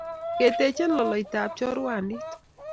Kiteche toloitab choruandit